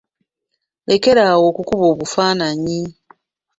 Lekera awo okukuba obufaananyi.